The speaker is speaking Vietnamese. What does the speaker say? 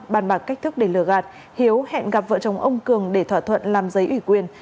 bàn bạc cách thức để lừa gạt hiếu hẹn gặp vợ chồng ông cường để thỏa thuận làm giấy ủy quyền